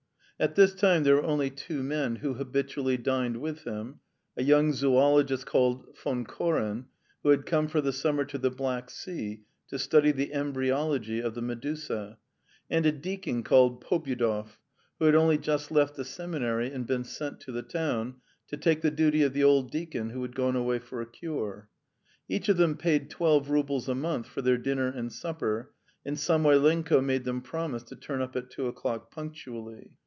At this time there were only two men who habitually dined with him: a young zoologist called Von Koren, who had come for the summer to the Black Sea to study the embryology of the medusa, and a deacon called Pobyedov, who had only just left the seminary and been sent to the town to take the duty of the old deacon who had gone away for a cure. Each of them paid twelve roubles a month for their dinner and supper, and Samoylenko made them promise to turn up at two o'clock punctually.